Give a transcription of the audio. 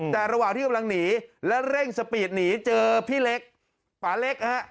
แต่ระหว่างที่กำลังหนีและเร่งสปีดหนีเจอพี่เล็กป่าเล็กฮะ